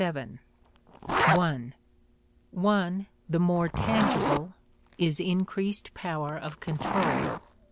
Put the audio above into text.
(i) One, the more tangible, is increased power of control.